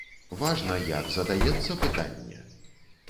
Важна, як задаецца пытанне.